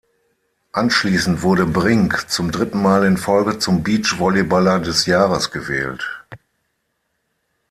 Anschließend wurde Brink zum dritten Mal in Folge zum Beachvolleyballer des Jahres gewählt.